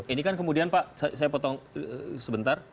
ini kan kemudian pak saya potong sebentar